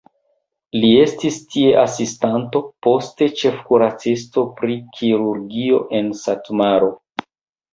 Li estis tie asistanto, poste ĉefkuracisto pri kirurgio en Satmaro.